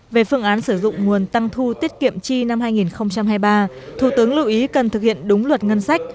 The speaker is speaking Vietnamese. về phương án sử dụng nguồn tăng thu tiết kiệm chi năm hai nghìn hai mươi ba thủ tướng lưu ý cần thực hiện đúng luật ngân sách